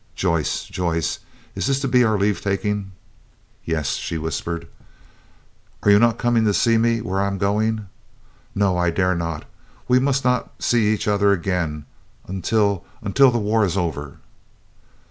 "Joyce! Joyce! is this to be our leave taking?" "Yes," she whispered. "Are you not coming to see me where I am going?" "No, I dare not; we must not see each other again until—until the war is over."